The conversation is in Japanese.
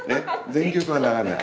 全曲は流れない？